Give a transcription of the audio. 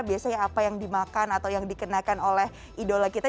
biasanya apa yang dimakan atau yang dikenakan oleh idola kita